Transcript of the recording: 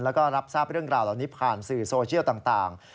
แล้วก็รับทราบเรื่องราวเหล่านี้ผ่านสื่อโซเชียลต่าง